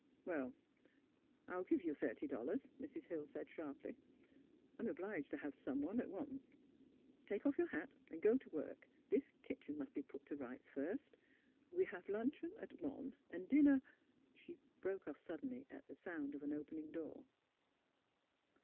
Well; I will give you thirty dollars," Mrs. Hill said, sharply. ''I'm obliged to have someone, at once. Take off your hat and go to work. This A LITTLE JOURNEY 119 kitchen must be put to rights, first. We have luncheon at one, and dinner " She broke off suddenly at sound of an open ing door.